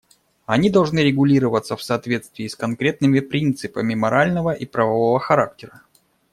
Они должны регулироваться в соответствии с конкретными принципами морального и правового характера.